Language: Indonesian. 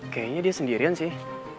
kayaknya dia sendirian sih